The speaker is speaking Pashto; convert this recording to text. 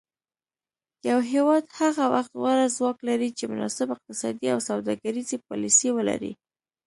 یو هیواد هغه وخت غوره ځواک لري چې مناسب اقتصادي او سوداګریزې پالیسي ولري